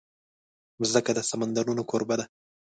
مځکه د سمندرونو کوربه ده.